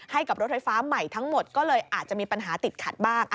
ให้กับรถไฟฟ้าใหม่ทั้งหมดก็เลยอาจจะมีปัญหาติดขัดบ้าง